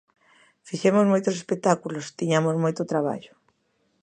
Fixemos moitos espectáculos, tiñamos moito traballo.